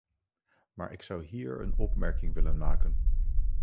Maar ik zou hier een opmerking willen maken.